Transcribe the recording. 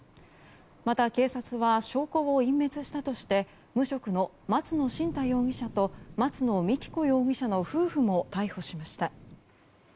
また、警察は証拠を隠滅したとして無職の松野新太容疑者と松野みき子容疑者の夫婦も逮捕しました。